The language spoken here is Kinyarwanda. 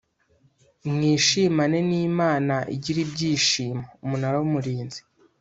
Mwishimane n Imana igira ibyishimo Umunara w Umurinzi